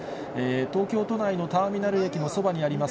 東京都内のターミナル駅のそばにあります